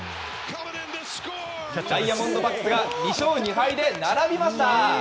ダイヤモンドバックスが２勝２敗で並びました。